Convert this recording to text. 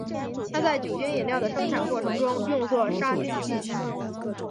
它在酒精饮料的生产过程中用作杀菌剂。